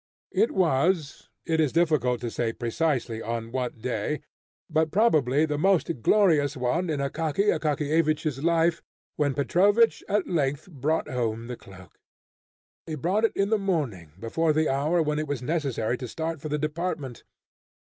It was it is difficult to say precisely on what day, but probably the most glorious one in Akaky Akakiyevich's life, when Petrovich at length brought home the cloak. He brought it in the morning, before the hour when it was necessary to start for the department.